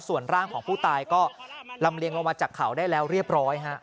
ส่วนร่างของผู้ตายก็ลำเลียงออกมาจากเขาได้แล้วเรียบร้อยฮะ